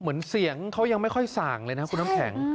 เหมือนเสียงเขายังไม่ค่อยส่างเลยนะคุณน้ำแข็ง